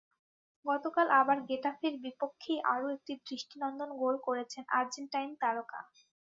গতকাল আবার গেটাফের বিপক্ষেই আরও একটি দৃষ্টিনন্দন গোল করেছেন আর্জেন্টাইন তারকা।